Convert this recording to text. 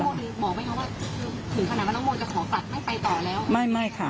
คุณท่านาว่าน้องโมจะขอฝากไม่ไปต่อแล้ว